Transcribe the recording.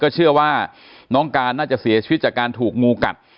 เชื่อว่าน้องการน่าจะเสียชีวิตจากการถูกงูกัด